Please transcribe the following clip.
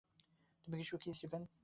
তুমি কি সুখী, স্টিফেন?